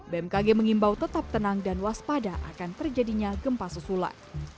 bmkg mengimbau tetap tenang dan waspada akan terjadinya gempa susulan